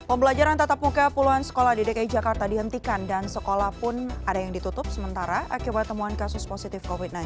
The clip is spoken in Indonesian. pembelajaran tatap muka puluhan sekolah di dki jakarta dihentikan dan sekolah pun ada yang ditutup sementara akibat temuan kasus positif covid sembilan belas